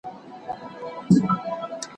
هغه هیله چې موږ یې لرو یوه ورځ پوره کیږي.